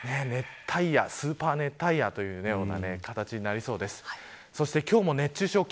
スーパー熱帯夜という形になりそうです。